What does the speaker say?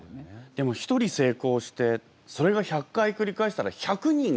でも一人成功してそれが１００回繰り返したら１００人が。